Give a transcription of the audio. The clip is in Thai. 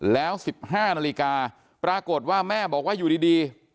แล้ว๑๕นาฬิกาปรากฏว่าแม่บอกว่าอยู่ดี